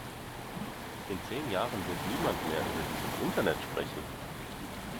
In zehn Jahren wird niemand mehr über dieses Internet sprechen!